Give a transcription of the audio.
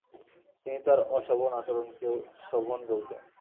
তিনি তার "অশোভন আচরণকেও শোভন" বলতেন।